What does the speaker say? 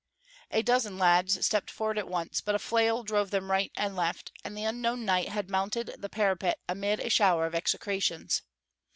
A dozen lads stepped forward at once, but a flail drove them right and left, and the unknown knight had mounted the parapet amid a shower of execrations.